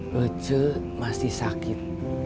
kece masih sakit